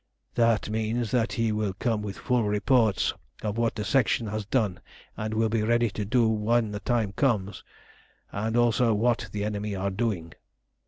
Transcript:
That means that he will come with full reports of what the Section has done and will be ready to do when the time comes, and also what the enemy are doing.